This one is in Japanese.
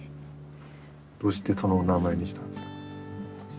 どうしてそのお名前にしたんですか？